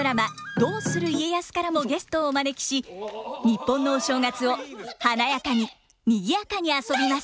「どうする家康」からもゲストをお招きし日本のお正月を華やかににぎやかに遊びます。